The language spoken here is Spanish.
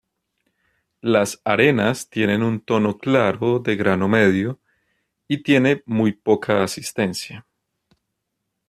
Las arenas tienen un tono claro de grano medio y tiene muy poca asistencia.